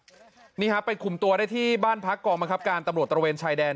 หลังจากพวกนี้ไปคุมตัวได้ที่บ้านพลักษณ์กองมั่งคัปการตำรวจตะละเวรชายแดน